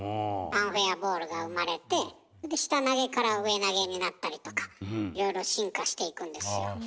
アンフェアボールが生まれて下投げから上投げになったりとかいろいろ進化していくんですよ。